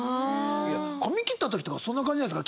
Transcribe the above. いや髪切った時とかそんな感じじゃないですか？